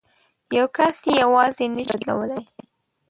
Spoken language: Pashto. یو کس یې یوازې نه شي بدلولای.